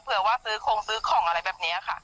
เผื่อว่าซื้อโครงซื้อของอะไรแบบนี้ค่ะ